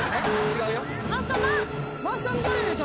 違うよ。